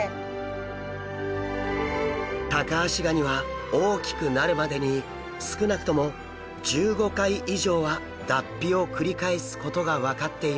タカアシガニは大きくなるまでに少なくとも１５回以上は脱皮を繰り返すことが分かっています。